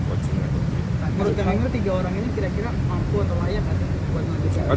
menurut anda tiga orang ini kira kira mampu atau layak buat menuju